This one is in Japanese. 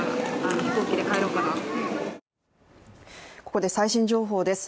ここで最新情報です。